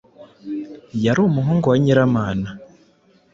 yari umuhungu wa Nyiramana.